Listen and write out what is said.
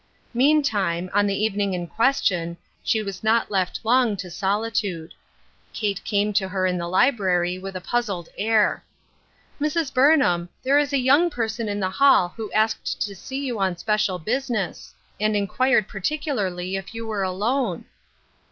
Meantime, on the evening in question, she was not left long to solitude. Kate came to her in the library with a puzzled air. " Mrs. Burnham, there is a young person in the hall who asked to see you on special business, and inquired particularly if you were alone."